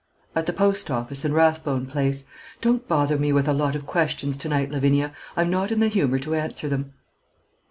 "At the Post office in Rathbone Place. Don't bother me with a lot of questions to night Lavinia; I'm not in the humour to answer them."